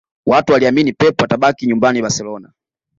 Watu waliamini Pep atabaki nyumbani Barcelona